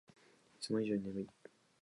いつも以上に眠い